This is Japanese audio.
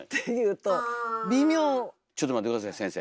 ちょっと待って下さい先生。